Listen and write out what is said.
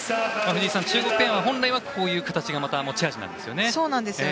藤井さん、中国ペアは本来はこういう形が持ち味なんですね。